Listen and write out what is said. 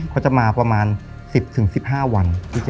เขาจะมาประมาณ๑๐๑๕วัน